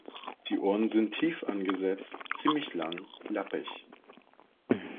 Die Ohren sind tief angesetzt; ziemlich lang, lappig.